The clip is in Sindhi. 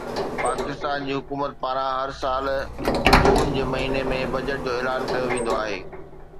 پاڪستان جي حڪومت پاران هر سال جون جي مهيني ۾ بجيٽ جو اعلان ڪيو ويندو آهي